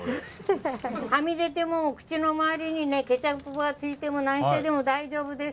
はみ出ても口の周りにねケチャップばついても何してでも大丈夫です。